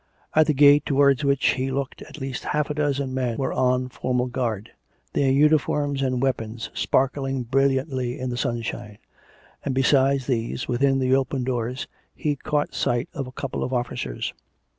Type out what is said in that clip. At the gate to wards which he looked at least half a dozen men were on formal guard, their uniforms and weapons sparkling bril liantly in the sunshine; and besides these, within the open doors he caught sight of a couple of officers.